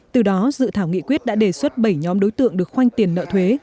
từ đó dự thảo nghị quyết đã đề xuất bảy nhóm đối tượng được khoanh tiền nợ thuế